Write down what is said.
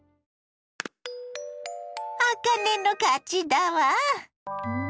あかねの勝ちだわ。